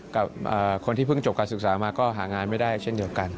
กับคนที่เพิ่งจบการศึกษามาก็หางานไม่ได้เช่นเดียวกัน